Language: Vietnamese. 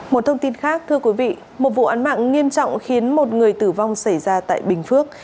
một thông tin khác thưa quý vị một vụ án mạng nghiêm trọng khiến một người tử vong xảy ra tại bình phước